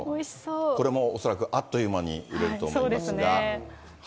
これも恐らく、あっという間に売れると思いますが。